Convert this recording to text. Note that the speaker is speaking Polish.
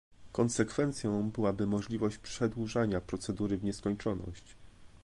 Konsekwencją byłaby możliwość przedłużania procedury w nieskończoność